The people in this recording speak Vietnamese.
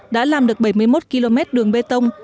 đã làm được bảy mươi một km đường bê tông